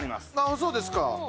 そうですか。